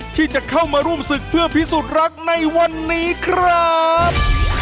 ที่จะเข้ามาร่วมศึกเพื่อพิสูจน์รักในวันนี้ครับ